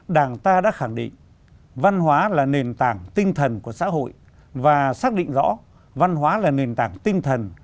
đảng ta đã khẳng định văn hóa là nền tảng tinh thần của xã hội và xác định rõ văn hóa là nền tảng tinh thần